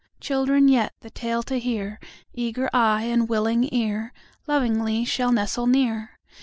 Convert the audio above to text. Children yet, the tale to hear, Eager eye and willing ear, Lovingly shall nestle near.